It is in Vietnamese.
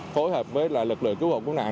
phối hợp với lực lượng cứu hộ cứu nạn